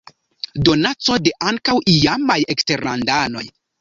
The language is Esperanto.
Donaco de ankaŭ iamaj eksterlandanoj.